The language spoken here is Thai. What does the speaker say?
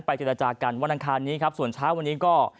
เจรจากันวันอังคารนี้ครับส่วนเช้าวันนี้ก็